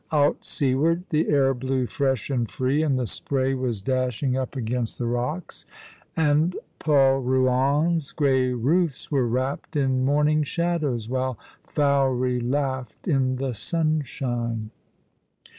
Out seaward the air blew fresh and free, and the spray was dashing up against the rocks, and Polruan's grey roofs were wrapped in morning shadows while Fowey laughed in the sunshine.